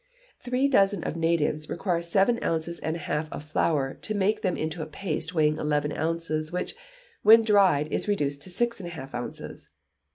Three dozen of natives require seven ounces and a half of flour to make them into a paste weighing eleven ounces, which, when dried, is reduced to six and a half ounces.